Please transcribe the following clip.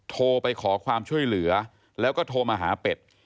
โทรไปขอความช่วยเหลือแล้วก็โทรมาหาเป็ด